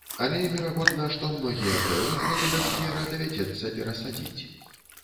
Але верагодна, што многія дрэвы з гэтага сквера давядзецца перасадзіць.